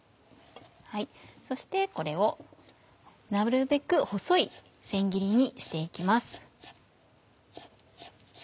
そしてこれをなるべく細い千切りにして行きます。